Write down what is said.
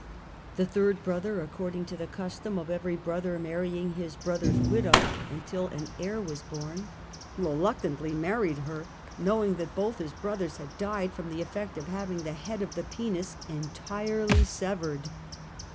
The third brother, according to the custom of every brother marry ing his brother's widow until an heir was born, re luctantly married her, knowing that both his brothers had died from the eftect of having the head of the penis entirely severed.